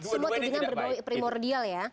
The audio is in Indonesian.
semua ini tidak primordial ya